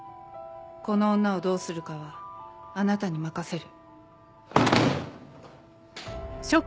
この女をどうするかはあなたに任せる」。